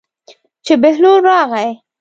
چې بهلول راغی.